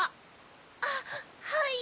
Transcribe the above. あっはい。